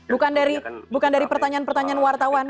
bukan dari pertanyaan pertanyaan wartawan